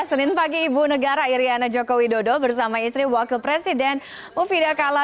senin pagi ibu negara iryana joko widodo bersama istri wakil presiden mufidah kala